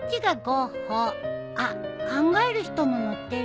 あっ『考える人』も載ってる。